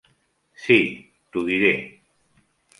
Sí, t'ho diré.